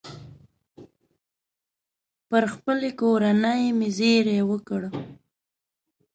پر خپلې کورنۍ مې زېری وکړ.